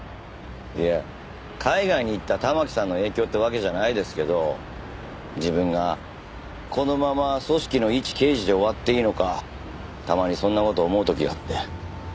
いや海外に行った環さんの影響ってわけじゃないですけど自分がこのまま組織のいち刑事で終わっていいのかたまにそんな事思う時があって。